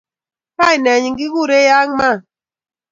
Kainenyi keguure, young man